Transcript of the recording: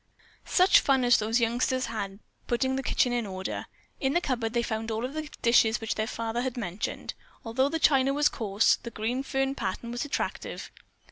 Such fun as those youngsters had putting the kitchen in order. In the cupboard they found all of the dishes which their father had mentioned. Although the china was coarse, the green fern pattern was attractive.